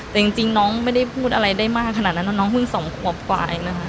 แต่จริงน้องไม่ได้พูดอะไรได้มากขนาดนั้นเพราะน้องเพิ่งสมควบควาย